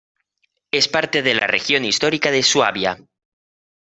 Es parte de la región histórica de Suabia.